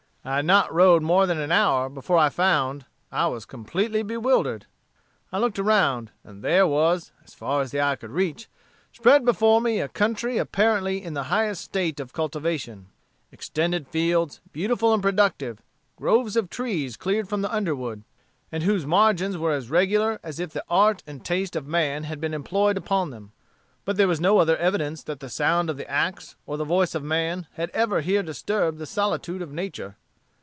"I had not rode more than an hour before I found, I was completely bewildered. I looked around, and there was, as far as the eye could reach, spread before me a country apparently in the highest state of cultivation extended fields, beautiful and productive, groves of trees cleared from the underwood, and whose margins were as regular as if the art and taste of man had been employed upon them. But there was no other evidence that the sound of the axe, or the voice of man, had ever here disturbed the solitude of nature.